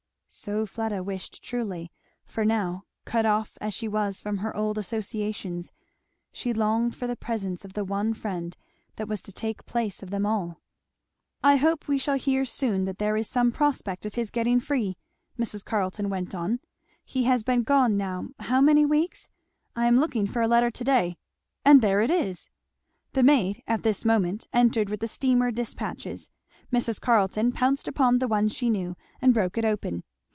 So Fleda wished truly; for now, cut off as she was from her old associations, she longed for the presence of the one friend that was to take place of them all. "I hope we shall hear soon that there is some prospect of his getting free," Mrs. Carleton went on. "He has been gone now, how many weeks? I am looking for a letter to day. And there it is! " The maid at this moment entered with the steamer despatches. Mrs. Carleton pounced upon the one she knew and broke it open.